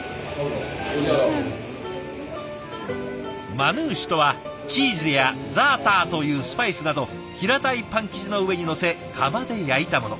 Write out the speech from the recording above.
マヌーシュとはチーズやザーターというスパイスなど平たいパン生地の上にのせ窯で焼いたもの。